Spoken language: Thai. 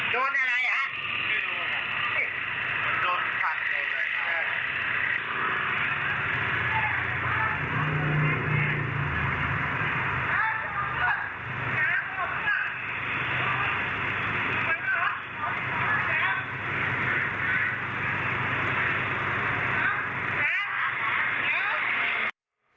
โดนอะไรครับ